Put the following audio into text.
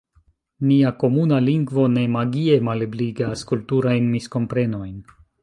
Nia komuna lingvo ne magie malebligas kulturajn miskomprenojn.